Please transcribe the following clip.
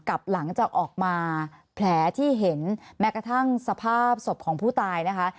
หลังจากออกมาแผลที่เห็นแม้กระทั่งสภาพศพของผู้ตายนะคะ